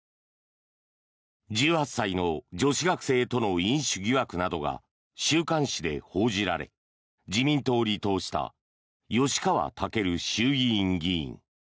１８歳の女子学生との飲酒疑惑などが週刊誌で報じられ自民党を離党した吉川赳衆議院議員。